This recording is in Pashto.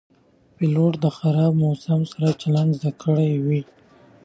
پیلوټ د خراب موسم سره چلند زده کړی وي.